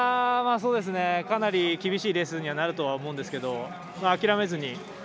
かなり厳しいレースにはなると思うんですけど諦めずに。